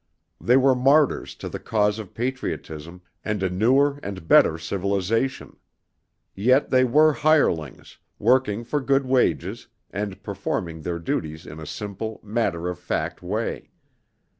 They were martyrs to the cause of patriotism and a newer and better civilization. Yet they were hirelings, working for good wages and performing their duties in a simple, matter of fact way.